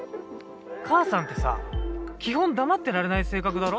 母さんってさ基本黙ってられない性格だろ？